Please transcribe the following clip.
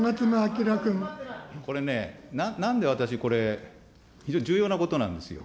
これね、なんで私、これ、非常に重要なことなんですよ。